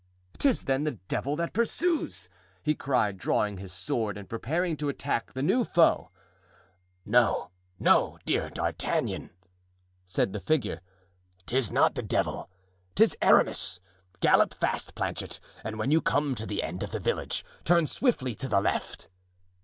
"'Tis then the devil that pursues!" he cried; drawing his sword and preparing to attack the new foe. "No, no, dear D'Artagnan," said the figure, "'tis not the devil, 'tis Aramis; gallop fast, Planchet, and when you come to the end of the village turn swiftly to the left."